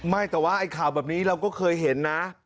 แต่ว่าไอ้ข่าวแบบนี้เราก็เคยเห็นนะ